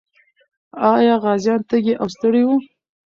آیا غازیان تږي او ستړي وو؟